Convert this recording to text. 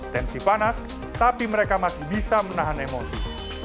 tensi panas tapi mereka masih bisa menahan emosi